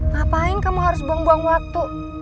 ngapain kamu harus buang buang waktu